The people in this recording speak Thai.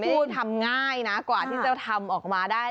พูดทำง่ายนะกว่าที่จะทำออกมาได้